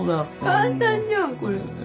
簡単じゃんこれ。